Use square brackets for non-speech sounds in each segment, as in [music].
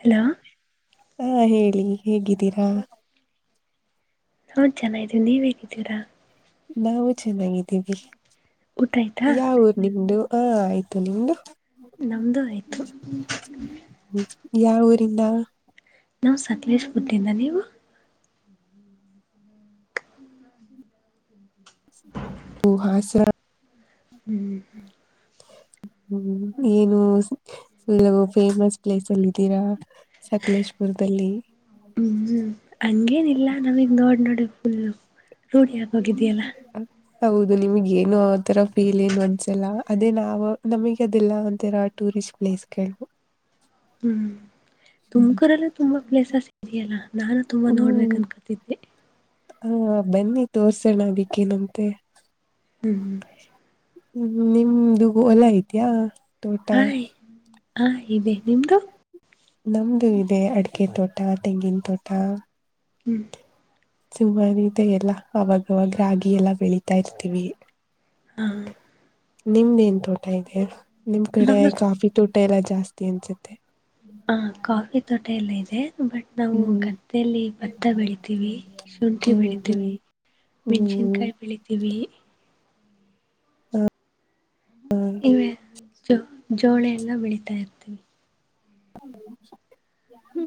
Hello ಹಾ ಹೇಳಿ ಹೇಗಿದ್ದೀರಾ ನೋದ್ ಚೆನ ಇದೀಿ ನೀವ್ ಹೇಗಿದ್ದೀರಾ ನಾವು ಚೆನ್ನಾಗಿದ್ದೀವಿ ಊಟ ಆಯ್ತಾ ಯಾವುರ್ ನಿಮ್ದ ಆ ಆಯ ನಿ ನಮ್ದು ಆಯ್ತು ಿಂದ ನಾ್ ಸಕ್ಲೇಶ್ ಬುದ್ಧಿಂದ ನೀವು ತಹಾಸ ಹ್ಮ್ ಹ್ಮ ಏನುಲ್ಲ ಫೇಮಸ್ ಪ್ಲೇಸ್ ಅಲ್ಲಿ ಇದ್ದೀರಾ ಸಕಲೇಶ್ಪುರದಲ್ಲಿ ಹ್ಮ್ ಹಂಗೇನಿಲ್ಲ ನಾವಿಂಗ ನೋಡ್ ನೋಡಿ ಫುಲ್ಲ ರೂಢಿ ಆಗೋಗಿದಯಲ್ಲ ಹೌದು ನಿಮಗೆ ಏನು ಆ ತರ ಫೀಲ್ ಏನು ಅನ್ಸಲ್ಲ ಅದೇ ನಾವವು ನಮಗೆ ಅದಿಲ್ಲ ಒಂತರ ಟೂರಿಸ ್ ಪ್ಲೇಸ್ ಕ ಹ್ಮ್ ತುಮ್ಕರೆಲ್ಲ ತುಂಬಾ ಪ್ಲೇಸ ಇದೆಯಲ್ಲ ನಾನು ತುಂಬಾ ನೋಡ್ಬೇಕ ಅನ್ಕತಿದ್ದೆ ಹಾ ಬನ್ನಿ ತೋಸೋಣ ಅದಕ್ಕೇನಂತೆ ಹ್ಮ್ ಹ್ಮ ನಿಮ್ದು ವಲ ಇದೆಯಾ ತೋಟ ಹಾಯ್ ಹಾ ಇದೆ ನಿಮ್ದು ನಮ್ದು ಇದೆ ಅಡಿಕೆ ತೋಟ ತೆಂಗಿನ ತೋಟ ಹ್ಮ್ ಸುಮ್ಮಾನಿದೆ ಎಲ್ಲಾ ಅವಾಗವಾಗ ರಾಗಿ ಎಲ್ಲಾ ಬೆಳೀತಾ ಇರ್ತೀವಿ ಹಾ ನಿಮ್ದೇನ್ ತೋಟ ಇದೆ ನಿಮ್ ಕಡೆ ನಮ್ದು ಕಾಫಿ ತೋಟ ಎಲ್ಲಾ ಜಾಸ್ತಿ ಅನ್ಸುತ್ತೆ ಹ ಕಾಫಿ ತೋಟ ಎಲ್ಲ ಇದೆ ಬಟ್ ನಾವು ಹ್ಮ್ ಗದ್ದೆಯಲ್ಲಿ ಭತ್ತ ಬೆಳಿತೀವಿ ಶುಂಠಿ ಹ್ಮ್ ಬೆಳಿತೀವಿ ಹ್ಮ್ ಹ್ಮ್ ಮೆಣ್ಸಿನ್ಕಾಯಿ ಬೆಳಿತೀವಿ ಹ್ಮ ಇವ ಜೋ ಜೋಳೆ ಎಲ್ಲ ಬೆಳೀತಾ ಇರ್ತೀವಿ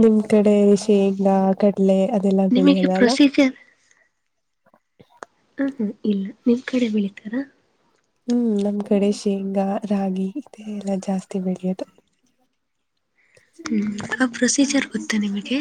ನಿಮ್ ಕಡೆ ಶೇಂಗಾ ಕಳ್ಳೆ ಅದೆಲ್ಲಾ ನಿಮಗೆ ಬೆಳೆಯಲ್ಲ ಅಲ್ಲ ಪ್ರೊಸೀಜರ್ ಹ ಹ ಇಲ್ಲ ನಿಮ್ ಕಡೆ ಬೆಳಿತಾರಾ ಹ್ಮ್ ನಮ್ ಕಡೆ ಶೇಂಗಾ ರಾಗಿ ಇ ಎಲ್ಲಾ ಜಾಸ್ತಿ ಬೆಳೆಯೋದು ಹ್ ಆ ಪ್ರೊಸೀಜರ್ ಗೊತ್ತಾ ನಿಮಗೆ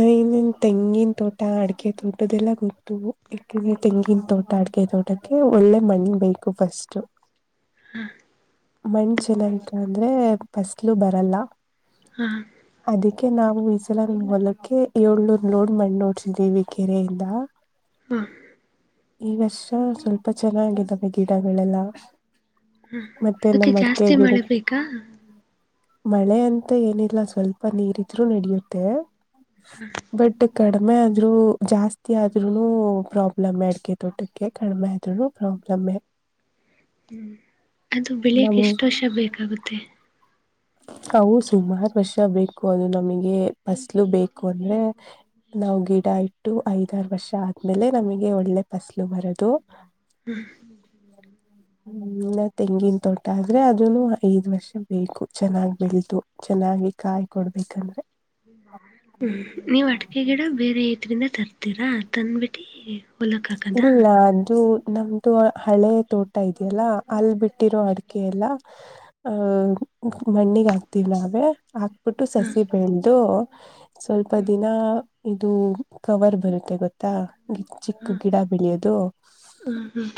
[unintelligible] ತೆಂಗಿನ ತೋಟ ಅಡಗೆ ತೋಟದೆಲ್ಲ ಗೊತ್ತು ಯಾಕ್ರೆ ತೆಂಗಿನ ತೋಟ ಅಡಗೆ ತೋಟಕ್ಕೆ ಒಳ್ಳೆ ಮಣ್ಣ ಬೇಕು ಫಸ್ಟ್ ಹ್ಮ ಮಣ ಚೆನ್ನಾಗತ ಅಂದ್ರೆ ಬಸ್ಲು ಬರಲ್ಲ ಹಾ ಅದಕ್ಕೆ ನಾವು ಈಸರಲ್ಲಿ ಹೊಲಕ್ಕೆೆ ಏಳ್ನೂರ್ ಲೋಡ್ ಮಾಡಿ ನೋಡ್ಸಿದ್ದೀವಿ ಕೆರೆಯಿಂದ ಹಾ ಈ ವರ್ಷ ಸ್ವಲ್ಪ ಚೆನ್ನಾಗಿದ್ದಾವೆ ಗಿಡಗಳೆಲ್ಲ ಮತ್ತೆ ನ ಅದಕ್ಕೆ ಮಡ್ಕೆ ಜಾಸ್ತಿ ಗಿಡ ಮಳೆ ಬೇಕಾ ಮಳೆ ಅಂತ ಏನಿಲ್ಲ ಸ್ವಲ್ಪ ನೀರ್ ಇದ್ರು ನಡಿಯುತ್ತೆ ಬಟ್ ಕಡಿಮೆ ಆದ್ರೂ ಜಾಸ್ತಿ ಆದ್ರರು ಪ್ರಾಬ್ಲಮ್ ಅಡಿಕೆ ತೋಟಕ್ಕೆ ಕಡಿಮೆ ಆದ್ರೂನೂ ಪ್ರಾಬ್ಲಮ್ ಮಲೆ ಹ್ಮ್ ಅದು ಬೆಳಿಯಕ್ಕೆ ಎಷ್ಟು ವರ್ಷ ಬೇಕಾಗುತ್ತೆ ಅವು ಸುಮಾರು ವರ್ಷ ಬೇಕು ಅದು ನಮಗೆ ಫಸ್ಲು ಬೇಕು ಅಂದ್ರೆ ನಾವು ಗಿಡ ಇಟ್ಟು ಐದಾರು ವರ್ಷ ಆದ್ಮೇಲೆ ನಮಗೆ ಒಳ್ಳೆ ಫಸಲು ಬರದು ಹ್ಮ್ ಹ್ಮಲ್ಲ ತೆಂಗಿನ ತೊಟ ಆದ್ರೆ ಅದನು ಐದ್ ವರ್ಷ ಬೇಕು ಚೆನ್ನಾಗಿ ಬೆಳತು ಚೆನ್ನಾಗಿ ಕಾಯ್ ಕೊಡ್ ಬೇಕಂದ್ರೆ ಹ್ಮ್ ನೀವ್ ಅಡಿಕೆ ಗಿಡ ಬೇರೆ ಇದ್ದರಿಂದ ತರ್ತೀರಾ ತಂದ್ಬಿಟ್ಟಿ ಹೊಲಕ್ ಹಾಕದಾ ಇಲ್ಲ ಅದು ನಮ್ದು ಹಳೆ ತೋಟ ಇದೆಯಲ್ಲ ಅಲ್ಲಿ ಬಿಟ್ಟಿರೋ ಅಡಿಕೆ ಎಲ್ಲ ಅಹ್ ಮಣ್ಣಿಗೆ ಆಗ್ತಿವಿ ಅವೇ ಆ ಬಿಟ್ಟು ಹಾ ಸಸಿ ಬೆಳೆದು ಸ್ವಲ್ಪ ಹ್ಮ್ ದಿನ ಇದು ಕವರ್ ಬರುತ್ತೆ ಗೊತ್ತಾ ಗಿ ಹಾ ಗಿಡ ಬೆಳಿಯದು ಹ್ಮ್ ಹ್ಮ್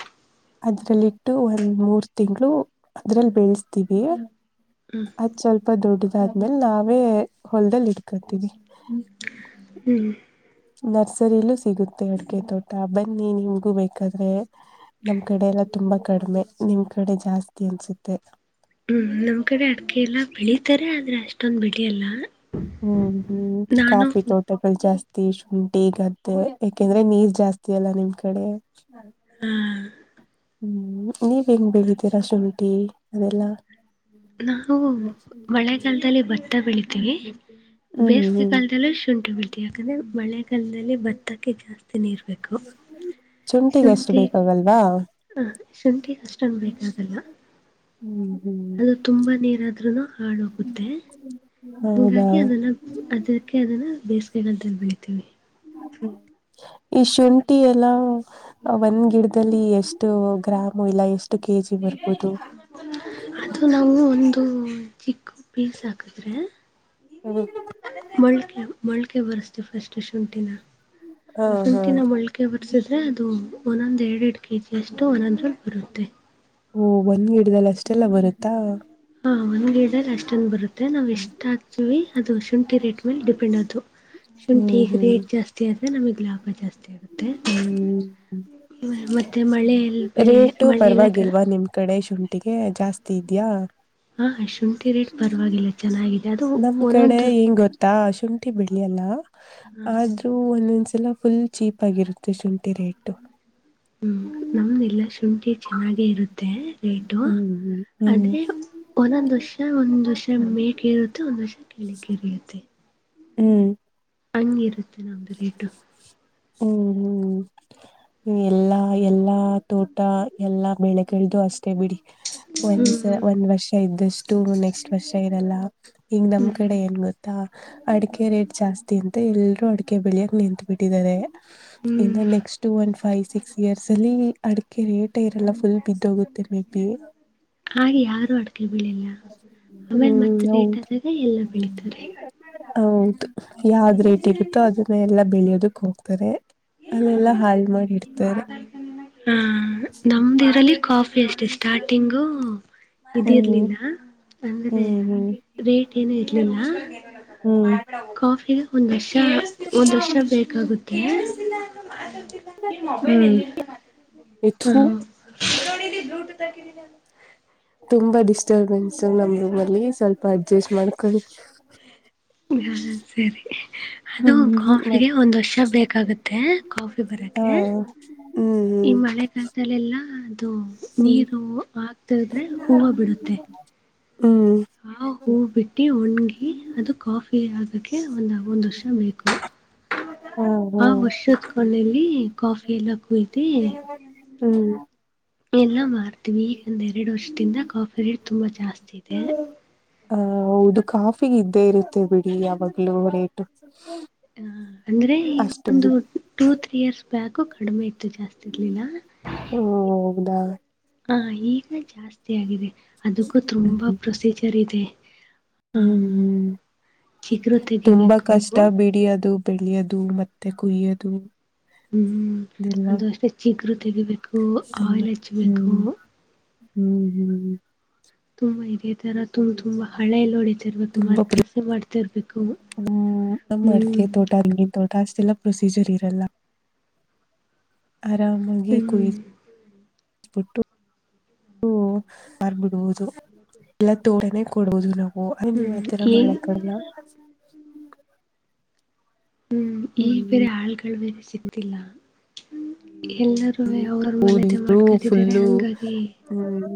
ಅದ್ರಲ್ಲಿ ಇಟ್ಟು ಒಂದ್ ಮೂರ್ ತಿಂಗಳು ಅದ್ರಲ್ಲಿ ಬೆಳೆಸ್ತೀವಿ ಹ್ಮ್ ಅದ್ ಸ್ವಲ್ಪ ದೊಡ್ಡದಾದ್ಮೇಲ್ ನಾವೇ ಹೊಲದಲ್ಲಿ ಇಡ್ಕೊತೀವಿ ಹ್ಮ್ ನರ್ಸರಿಲೂ ಸಿಗುತ್ತೆ ಅಡಿಕೆ ತೋಟ ಬನ್ನಿ ನಿಮ್ಗೂ ಬೇಕಾದ್ರೆ ನಮ್ ಕಡೆ ಎಲ್ಲ ತುಂಬಾ ಕಡಿಮೆ ನಿಮ್ ಕಡೆ ಜಾಸ್ತಿ ಅನ್ಸುತ್ತೆ ಹ್ಮ್ ನಮ್ ಕಡೆ ಅಡಕೆ ಎಲ್ಲ ಬೆಳಿತಾರೆ ಆದ್ರೆ ಅಷ್ಟ ಹ್ಮ್ ಹ್ಮ್ ಕಾಫಿ ನಾನು ಫೋಟೋಗಳು ಜಸ್ತಿ ಶುಂಠಿ ಗದ್ದೆ ಯಾಕೆಂದ್ರೆ ನೀರ್ ಜಾಸ್ತಿ ಅಲ್ಲ ನಿಮ್ ಕಡೆ ಹಾ ಹ್ಮ್ ನೀವ್ ಹೆಂಗ್ ಬೇಳಿದ್ದೀರಾ ಶುಂಠಿ ಅದೆಲ್ಲಾ ನಾವು ಮಳೆಗಾಲದಲ್ಲಿ ಭತ್ತ ಬೆಳಿತೀವಿ ಹ್ಮ್ ಬೇಸಿಗೆ ಹ್ಮ್ ಕಾಲಲದಲ್ಲೇ ಶುಂಠಿ ಬೆಳಿತೀವಿ ಯಾಕಂದ್ರೆ ಮಳೆಗಾಲದಲ್ಲಿ ಭತ್ತ ಜಾಸ್ತಿ ನೀರ್ ಬೇಕು ಶುಂಠಿಗೆ ಅಷ್ಟು ಶುಂಠಿ ಬೇಕಾಗಲ್ವಾ ಹ ಶುಂಠಿಗೆ ಅಷ್ಟೊಂದು ಬೇಕಾಗಲ್ಲ ಹ್ಮ್ ಹ್ಮ್ ಅದು ತುಂಬಾ ನೀರಾದ್ರುನು ಹಾಳ ಹೋಗುತ್ತೆ ಹೌದಾ ಹಂಗಾಗಿ ಅದನ್ನ ಅದಕ್ಕೆ ಅದನ್ನ ಬೇಸಿಗೆ ಕಾಲದಲ್ಲಿ ಬೆಳಿತೀವಿ ಈ ಶುಂಠಿ ಎಲ್ಲ ಒಂದ್ ಗಿಡದಲ್ಲಿ ಎಷ್ಟ ಇಷ್ಟು ಗ್ರಾಮ ಇಲ್ಲ ಎಷ್ಟು ಕೆಜಿ ಬರ್ಬೋದು ಅದು ನಾವು ಒಂದು ಚಿಕ್ಕಿ ಪೀಸ್ ಹಾಕಿದ್ರೆ ಮೊಲ್ಕೆ ಮೊಲ್ಕೆ ಬರಿಸ್ತೀವಿ ಫ್ರಿಸ್ಟ್ ಶುಂಠಿನ ಹಾ ಹಾ ಶುಂಠಿನಾ ಮೊಲ್ಕೆ ಬರೆಸಿ ಮೊಲ್ಕೆ ಬರಿಸಿದ್ರೆ ಅದು ಒಂದೊಂದ್ ಎರಡ್ ಎರಡ್ ಕೆಜಿ ಅಷ್ಟು ಒಂದೊಂದ್ರಲ್ಲಿ ಬರುತ್ತೆ ಓ ಒಂದ್ ಗಿಡ್ದದಲ್ಲಿ ಅಷ್ಟೆಲ್ಲ ಬರುತ್ತಾ ಹಾ ಒಂದು ಗಿಡದಲ್ಲಿ ಅಷ್ಟು ಬರುತ್ತೆ ನಾವು ಎಷ್ಟ ಹಾಕ್ತೀವಿ ಅದು ಶುಂಠಿ ರೇಟ್ ಮೇಲೆ ಡಿಪೆಂಡ್ ಅದು ಶುಂಠ ಹ್ಮ್ ಈಗ್ ಹ್ಮ್ ರೇಟ್ ಜಾಸ್ತಿ ಆದ್ರೆ ನಮಗ್ ಲಾಭ ಜಾಸ್ತಿ ಆಗುತ್ತೆ ಹ್ಮ್ ಮತ್ತು ಮಳೆಯಲ್ಲಿ ಬೆಳೆ ರೇಟು ಮಳೆಯೆಲ್ಲ ಕ ಪರವಾಗಿಲ್ವಾ ನಿಮ್ ಕಡೆ ಶುಂಠಿ ಶುಂಠಿಗೆ ಜಾಸ್ತಿ ಇದ್ಯಾಯಾ ಹಾ ಶುಂಠಿ ರೇಟ್ ಪರವಾಗಿಲ್ಲ ಚೆನ್ನಾಗಿದೆ ಅದು ನಮ್ ಕಡೆ ಒಂದೊಂದು ಹೆಂಗ್ ಗೊತ್ತಾ ಶುಂಠಿ ಬೆಳಿಯಲ್ಲ ಹಾಂ ಆದ್ರೂ ಒಂದೊಂದ್ಸಲ ಫುಲ್ ಚೀಪ್ ಆಗಿರುತ್ತೆ ಶುಂಠಿ ರೇಟು ಹ್ಮ್ ನಮ್ದ ಇಲ್ಲ ಶುಂಠಿ ಚೆನ್ನಾಗೆ ಇರುತ್ತೆ ರೇಟು ಹ್ಮ್ ಹ್ಮ್ ಅದೇ ಒಂದೊಂದ್ ವರ್ಷ ಒಂದ್ ವರ್ಷ ಮೇಲೇರುತ್ತೆ ಮತ್ತೆ ಒಂದು ವರ್ಷ ಕೇಳಕ್ಕೆೆ ಇರಿಯುತ್ತೆ ಹ್ಮ್ ಹಂಗಿರುತ್ತೆ ನಮ್ದ ರೇಟು ಹ್ಮ್ ಹ್ಮ್ ಎಲ್ಲಾ ಎಲ್ಲಾ ತೋಟ ಎಲ್ಲಾ ಬೆಳೆ ಕಳಿದು ಅಷ್ಟೇ ಬಿಡಿ ಒಂದ್ಸ ಹ್ಮ್ ಒಂದ್ ವರ್ಷ ಇದ್ದಷ್ಟು ನೆಕ್ಸ್ಟ್ ನೆಕ್ಸ್ಟ್ ವರ್ಷ ಇರಲ್ಲ ಹಿಂಗ ನಮ್ ಹ್ಮ್ ಕಡೆ ಏನ್ ಗೊತ್ತಾ ಅಡಿಕೆ ರೇಟ್ ಜಾಸ್ತಿ ಅಂತ ಎಲ್ರೂ ಅಡಿಕೆ ಬೆಳಿಯಕ್ ನಿಂತು ಬಿಟ್ಟಿದ್ದಾರೆ ಹ್ಮ್ ಇನ್ನು next one five six years ಅಲ್ಲಿ ಅಡಿಕೆ ರೇಟ್ ಹೇ ಇರಲ್ಲ ಫುಲ್ ಬಿದ್ದೋಗುತ್ತೆ ಮೇಬಿ ಹಾಗೆ ಯಾರೂ ಅಡ್ಗೆೆ ಬೆಳಿಯಲ್ಲಾ ಆಮೇಲೆ ಹ್ಮ್ ಮತ್ತೆ ರೇಟ್ ಹೌದು ಆದಾಗ ಎಲ್ಲ ಬೆಳಿತಾರೇ ಹೌದು ಯಾವ್ದ್ ರೇಟ್ಗತ್ತೋ ಅದನ್ನ ಎಲ್ಲ ಬೆಳಿಯೋದಕ್ ಹೋಗ್ತಾರೆ. ಅಲ್ಲೆಲ್ಲಾ ಹಾಳ್ ಮಾಡಿಡ್ತಾರೆ. ಹ ನಮ್ದ ಇರಲ್ಲಿ ಕಾಫಿ ಅಷ್ಟೇ ಸ್ಟಾರ್ಟಿಂಗು ಹ್ಮ್ ಇದಿರ್ಲಿಲ್ಲ ಅಂದ್ರೆ ಹ್ಮ್ ಹ್ಮ್ ರೇಟ್ ಏನು ಹ್ಮ್ ಇರ್ಲಿಲ್ಲ ಹ್ಮ್ ಕಾಫಿಗೆ ಒಂದ ವರ್ಷ ಒಂದ ವರ್ಷ ಬೇಕಾಗುತ್ತೆ ನಿನ್ ಮೊಬೈಲ್ ಹ್ಮ್ ಎಲ್ಲಿ ಇಡ್ಕೊಂಡು ಥು ಹ ನೋಡಿ ಬ್ಲೂಟೂತ್ ಹಾಕಿದ್ದಿನಿ ತುಂಬಾ ಡಿಸ್ಟರ್ಬೆನ್ಸ್ ನಮ್ಮ್ ರೂಮ್ ಅಲ್ಲಿ ಸ್ವಲ್ಪ ಅಡ್ಜಸ್ಟ್ ಮಾಡಿಕೊಳ್ಳಿ ಹಾ ಸರಿ ಅದು ಹ್ಮ್ ಮತ್ ಕಾಫಿಗೆ ಒಂದ್ ವರ್ಷ ಬೇಕಾಗುತ್ತೆ ಕಾಫಿ ಬರಕ ಹಾ ಈ ಹ್ಮ್ ಮಳೆ ಕಾಲದಲೆಲ್ಲ ಅದು ಹ್ಮ್ ನೀರು ಆಗ್ತಿದ್ರೆ ಹೂವು ಬಿಡುತ್ತೆ. ಹ್ಮ್ ಹ ಹೂ ಬಿಟ್ಟಿ ಒಣಗಿ ಅದು ಕಾಫಿ ಆ. ಅದಕ ಒಂದ ಒಂದ್ ವರ್ಷ ಬೇಕು. ಹಾ ವರ್ಷತ್ ಕೊಳ್ಳಲ್ಲಿ ಕಾಫಿ ಎಲ್ಲ ಕುಯಿಧಿ. ಹ್ಮ್ ಎಲ್ಲ ಮಾರ್ತೀವಿ ಈಗಂದ ಎರಡು ವರ್ಷದಿಂದ ಕಾಫಿ ರೇಟ್ ತುಂಬಾ ಜಾಸ್ತಿ ಇದೆ. ಹ ಹೌದು ಕಾಫಿ ಇದ್ದೇ ಇರುತ್ತೆ ಬಿಡಿ ಯಾವಾಗ್ಲುೂ ರೇಟು. ಹ ಅಂದ್ರೆ ಈಗ ಅಷ್ಟು ಒಂದು ಹ್ಮ ಟೂ ತ್ರೀ ಇಯರ್ಸ್ ಬ್ಯಾಕ್. ಕಡಿಮೆ ಇತ್ತು ಜಾಸ್ತಿಲಿಲ್ಲ. ಹೌದಾ ಹ ಈಗ ಜಾಸ್ತಿ ಆಗಿದೆ ಅದಕ್ಕೂ ತುಂಬ ಹ್ಮ್ ಪ್ರೊಸೀಜರ್ ಇದೆ. ಹ್ಮ್ ಚಿಗುರು ಹ್ಮ ತುಂಬಾ ತೆಗಿಬೇಕು ಕಷ್ಟ ಬಿಡಿ ಅದು. ಬೆಳೆಯೋದು ಮತ್ತೆ ಕುಯ್ಯದು. ಹ್ಮ್ ಅದು ಅಷ್ಟೆ ಚಿಗರು ತೆಗಿಬೇಕು ತುಂಬಾ ಆಯಿಲ್ ಹಚ್ಬೇಕು. ಹ್ಮ್ ಹ್ಮ್ ಹ್ಮ. ತುಂಬಾ ಇದೇ ತರ ತುಂಬ ತುಂಬಾ ಹಳೆ ಎಲ್ಲಿ ಹೊಡ. ತುಂಬಾ ಹ್ಮ ನಮ್ಮ್ ಹ್ಮ್ ಅಡಿಕೆ ತೋಟ ಅಂಗಿನ ತೋಟ ಅಷ್ಟತಿಲ್ಲ. ಪ್ರೊಸಿಜರ್ ಇರಲ್ಲ ಆರಾಮಾಗಿ ಕೂ ಹ್ಮ್ ಬಿಟ್ಟು ಹ ಬರ್ಬಿಡುವುದು ಎಲ್ಲ ತೋಟೇ ಕೊಡುವುದು ನಾವು. ಓ ಅ ನೀವು ಹ್ಮ್ ಅತ್ರ ಈ ಮಡಕಲ್ಲ. ಈಗ ಹ್ಮ್. ಬೇರೆ ಆಳ್ಗಳು ಬೇರೆ ಸಿಕ್ತಿಲ್ಲ ಎಲ್ಲರೂವೆ ಅವ್ರ ಹ್ಮ ಮನೆದೇ ಡಿಪರು ಮಾಡ್ಕತಿದ್ದಾರೆ ಫುಲ್ಲು ಹಂಗಾಗಿ ಹ್ಮ.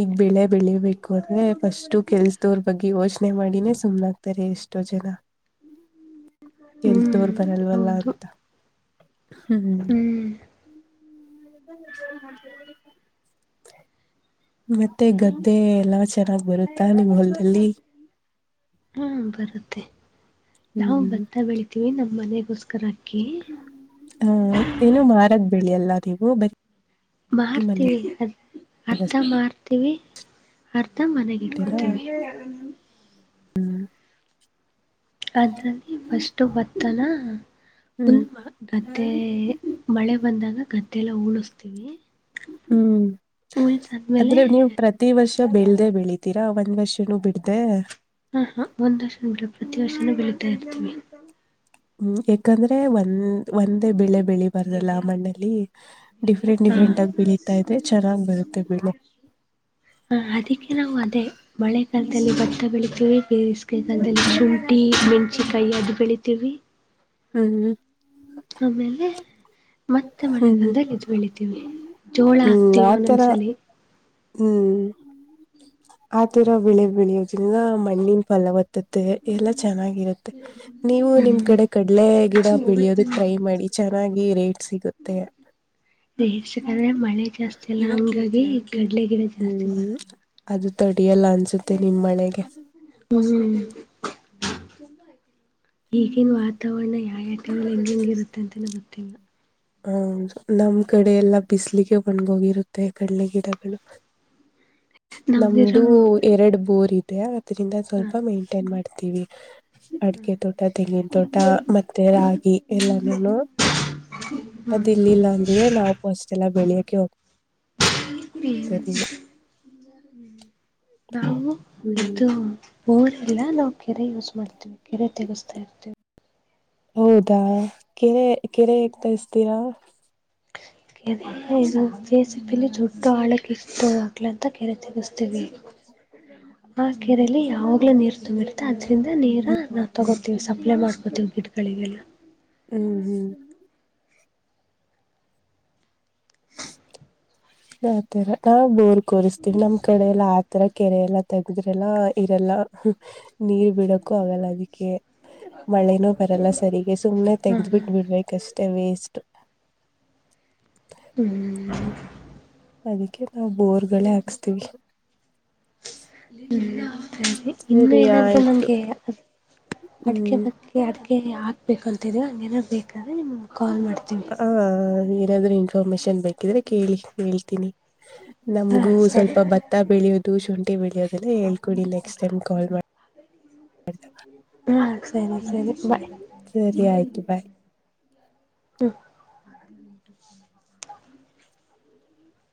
ಈಗ ಬೆಳೆ ಬೆಳಿಬೇಕು ಅಂದ್ರೆ ಫಸ್ಟು ಕೆಲ್ಸದವ್ರ ಬಗ್ಗೆ ಯೋಚನೆ ಮಾಡಿನೇ ಸುಮ್ನಾಗ್ತಾರೆ ಎಷ್ಟು. ಎಷ್ಟೋ ಜನ ಹ್ಮ್ ಕೆಲ್ತೋರ್ ಬರಲ್ವಲ್ಲ ಹೌದು ಅಂತ. ಹ್ಮ್. [unintelligible] ಮತ್ತೆ ಗದ್ದೆ ಎಲ್ಲಾ ಚೆನ್ನಾಗ್ ಬರುತ್ತಾ ನಿಮ್ ಹೊಲ್ದಲ್ಲಿ. ಹಾ ಬರುತ್ತೆ ನಾವು ಭತ್ತಾ ಬೆಳಿತೀವಿ ನಮ್ಮ್ ಮನೆ. ಹ್ಮ ಏನು ಮಾರದ ಬೆಳಿ ಎಲ್ಲ ನೀವು ಮಾರ್ತೀವಿ ಅದ ಅರ್ಧ ಮನೆಗಷ್ಟೇನಾ ಮಾರ್ತೀವಿ ಅರ್ ಮನೆಗ ಇಟ್ಕೋತೀವಿ. ಅದ್ರಲ್ಲಿ ಫಸ್ಟ್ ಭತ್ತನ. ಫುಲ್ ಹ್ಮ್ ಗದ್ದೆ ಮಳೆ ಬಂದಾಗ ಗದ್ದೆಲ್ಲ ಉಳಸ್ತೀವ ಹ್ಮ್ ಆದ್ರೆ ನೀವು ಪ್ರತಿ ವರ್ಷ ಬೆಳ್ದೇ ಬೆಳಿತೀ. ಒಂದ್ ವರ್ಷನೂ ಬಿಡ್ಧೀ. ಹಾ ಹಾ ಒಂದ್ ವರ್ಷಡ ಪ್ರತಿ ವರ್ಷನೂ ಬೆಳತಾ ಇರ್ತೀವಿ. ಹ್ಮ್ ಯಾಕಂದ್ರೆ ಒಂದ್ ಒಂದೇ ಬೆಳೆ ಬೆಳಿ ಬಾರದಲ್ಲ ಮಣ್ಣಲ್ಲಿ. ಡಿಫ್ರೆಂಟ್ ಹಾ ಡಿಫ್ರೆಂಟ್ ಆಗಿ ಬೆಳಿತಾ ಇದೆ ಚೆನ್ನಾಗ್ ಬರುತ್ತೆ ಬೆಳೆ. ಹ ಅದಕ್ಕೆ ನಾವು ಅದೇ ಮಳೆಗಾಲದಲ್ಲಿ ಭಟ್ಟ ಬೆಳಿತೀವಿ ಬೇಸಿಗೆಕಾಲದಲ್ಲಿ ಶುಂಠಿ. ಸುಂಟಿ ಮೆಣಸಿನಕಾಯಿ ಅದು ಬೆಳಿತೀವಿ. ಹ್ಮ್ ಹ್ಮ್ ಆಮೇಲೆ ಮತ್ತೆ ಹ್ಮ್ ಮಳೆಗಾಲದಲ್ಲಿ ಇದು ಬೆಳಿತೀವಿ ಜೋಳ ಹ್ಮ್ ಹಾಕ್ತೀವಿ ಆತರ ಒಂದೊಂದ್ಸಲಿ. ಹ್ಮ್ ಆ ತರ ಬೆಳೆ ಬೆಳಿಯೋುದಿಲ್ಲ ಮಣ್ಣಿನ ಫಲವತ್ತು. ಎಲ್ಲ ಚೆನ್ನಾಗಿರುತ್ತೆ ನೀವು ಹ್ಮ್ ನಿಮ್ ಕಡೆ ಕಡ್ಲೆ ಗಿಡ ಬೆಳಿಯೋದಕ್ ಟ್ರೈ ಮಾಡಿ. ಚೆನ್ನಾಗಿ ರೇಟ್ ಸಿಗುತ್ತೆ. ಸಾದ್ರೆ ಮಳೆ ಜಾಸ್ತಿ ಅಲ್ಲ ಹಂಗಾಗಿ ಕಡ್ಲೆ ಗಿಡ ಜಾಸ್ತಿ ಹ್ಮ್ ಬರಲ್ಲ. ಅದು ತಡಿಯಲ್ಲ ಅನ್ಸುತ್ತೆ ನಿಮ್ಮ್ ಮಳೆಗೆ. ಹ್ಮ್ ಈಗನ್ ವಾತಾವರಣ. ಹಾಗ ಟಲ್ ಹೆಂಗ್ ಹೆಂಗ ಇರುತ್ತೆ ಅಂತನ ಗೊತ್ತಿಲ್ಲ. ಹದು ನಮ್ ಕಡೆ ಎೆಲ್ಲಾ ಬಿಸಲಿಗೆ ಒಣ್ಗೋಗಿರುತ್ತೆ ಕಡಲೆ ಗಿಡಗಳು ನಮ್ದಿರೋ ನಮ್ದು ಎರಡು ಬೋರ್ ಇತ್ತು ಅದ್ರಿಂದ ಹ ಸ್ವಲ್ಪ ಮೇಂಟೈನ್ ಮಾಡ್ತೀವಿ ಅಡಿಕೆ ತೋಟ ತೆಂಗಿನ ತೋಟ ಮತ್ತೆ ರಾಗಿ ಎಲ್ಲಾನ ಅದ ಹ್ಮ್ ಇಲ್ಲಿಿಲ್ಲ ಅಂದ್ರೆ ನಾವು ಪೋಸ್ಲ್ಲ ಬೆಳಿಯಕ್ಕೆ ಹೋಗ ನಾವು ಹ್ಮ್ ಇು ಊರ್ಲ್ಲ ನಾವು ಕೆರೆ ಯೂಸ್ ಮಾಡ್ತೀವಿ ಕೆರೆ ತಗಸ್ತಾ ಇರ್ತೀವಿ ಹೌದಾ ಕೆರೆ ಕೆರೆ ಹಗ್ ತ ಇಸ್ತೀರಾ ಕೆ ಜೇಸಿಬಲ್ಲಿ ದೊಡ್ಡ ಆಳಕ್ಕೆ ತೋ ಹಾಕ್ಲ ಅಂತ ಕರೆ ತಗಸ್ತೀವಿ ಆ ಕೆರೆಯಲ್ಲಿ ಯಾವಾಗ್ಲ ನೀರ್ ತುಂಬಿರ್ತೆ ಅದ್ರಿಂದ ನೀರ ನಾವು ತಗೋತೀವಿ ಸಪ್ಲೈ ಮಾಡ್ಕೋತೀವಿ ಕಳಿಗೆಲ್ಲ ಹ್ಮ್ ಹ್ಮ್ ಯ ತರ ಹಾ ಬ ಕರಿಸ್ತೀಿ ನಮ್ಮ್ ಕಡೆ ಎಲ್ಲ ಆ ತರ ಕೆರೆ ಎಲ್ಲ ತಗಿದ್ರೆಲ್ಲ ಇರಲ್ಲ ನೀರ್ ಬಿಡಕ್ಕೂ ಆಗಲ್ಲ ಅದಕ್ಕೆ ಮಳೆನೂ ಬರಲ್ಲ ಸರಿರಿಗೆ ಸುಮ್ನೆ ಹಾ ಹಾ ತೆಗ್ದ್ಬಿಟ್ಟ ಬಿಡ್ಬೇಕಷ್ಟೆ ಟೆಮೀಸ್ಟ್ ಹ್ಮ್ ಅದಕ್ಕೆ ನಾವು ಬೋರ್ ಗಳೇ ಹಾಕ್ಸ್ತೀವಿ ಇ ಇನ್ನು ಸರಿ ಏನಾದ್ರು ಆಯ್ತು ನಂಗೆ ಅಡ್ಗೆ ಹ್ಮ್ ಬಕ್ಕಿ ಅಡ್ಗೆ ಹಾಕ್ಬೇಕು ಅಲ್ತರಿ ಹಂಗೇನ್ ಬೇಕಂದ್ರೆ ನಿಮ್ಮ್ ಹ ಏನಾದ್ರು ಇನ್ಫಾರ್ಮೇಶನ್ ಬೇಕಿದ್ರೆ ಕೇಳಿ ಹೇಳ್ತೀನಿ ನಮಗೂ ಹಾಂ ಸರಿ ಸ್ವಲ್ಪ ಭತ್ತ ಬೆಳೋದು ಶುಂಠಿ ಬೆಳಿಯೋದೆಲ್ಲ ಹೇಳ್ಕೊಡಿ ನೆಕ್ಸ್ಟ್ ಕಲ್ ಮಾಡ ಹಾ ಸರಿ ಸರಿ ಬಾಯ್ ಸರಿ ಆಯ್ತು ಬಾಯ್ ಹ